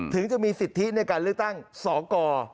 ถึงจะมีสิทธิในการเลือกตั้งสก